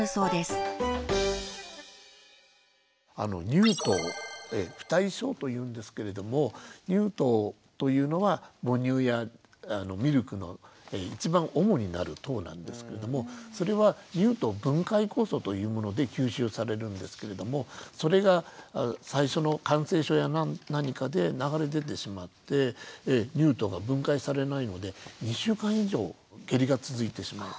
乳糖不耐症というんですけれども乳糖というのは母乳やミルクの一番主になる糖なんですけれどもそれは乳糖分解酵素というもので吸収されるんですけれどもそれが最初の感染症や何かで流れ出てしまって乳糖が分解されないので２週間以上下痢が続いてしまう。